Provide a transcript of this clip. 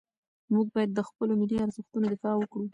موږ باید د خپلو ملي ارزښتونو دفاع وکړو.